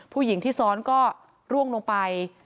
ผู้หญิงที่ซ้อนก็ร่วงลงไป